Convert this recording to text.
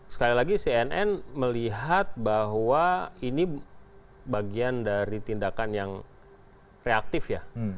sekali lagi cnn melihat bahwa ini bagian dari tindakan yang reaktif ya